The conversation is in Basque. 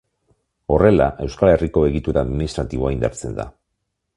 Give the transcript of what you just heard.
Horrela Euskal Herriko egitura administratiboa indartzen da.